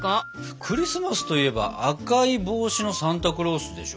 クリスマスといえば赤い帽子のサンタクロースでしょ？